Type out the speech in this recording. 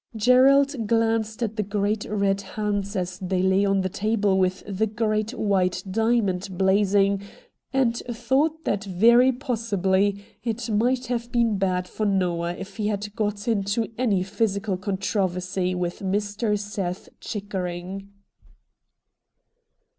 Gerald glanced at the great red hands as they lay on the table with the great white diamond blazing, and thought that very possibly it might have been bad for Xoah if he had got into any physical controversy with Mr. Seth Chickering.